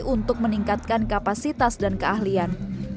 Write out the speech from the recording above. untuk meningkatkan kapasitas dan keahlian